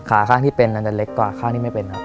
ขาข้างที่เป็นเรามันจะเล็กกว่าข้างที่ไม่เป็นค่ะ